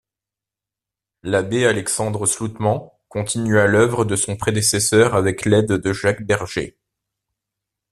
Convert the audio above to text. L'abbé Alexandre Slootmans continua l'œuvre de son prédécesseur avec l'aide de Jacques Bergé.